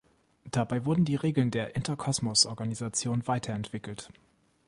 Dabei wurden die Regeln der Interkosmos-Organisation weiterentwickelt.